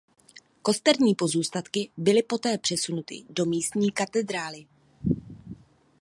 Kosterní pozůstatky byly poté přesunuty do místní katedrály.